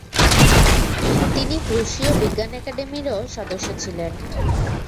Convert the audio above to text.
তিনি প্রুশীয় বিজ্ঞান একাডেমিরও সদস্য ছিলেন।